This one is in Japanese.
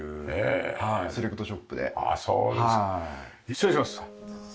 失礼します。